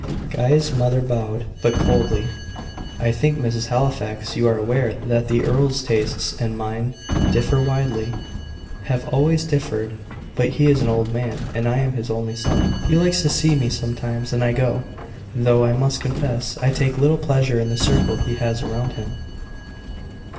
Guy's mother bowed but coldly. "I think, Mrs. Halifax, you are aware that the earl's tastes and mine differ widely have always differed. But he is an old man, and I am his only son. He likes to see me sometimes, and I go: though, I must confess, I take little pleasure in the circle he has around him."